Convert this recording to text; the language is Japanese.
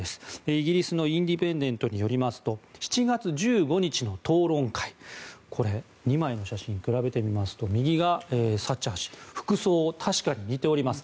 イギリスのインディペンデントによりますと７月１５日の討論会これ、２枚の写真を比べてみますと右がサッチャー氏服装、確かに似ております。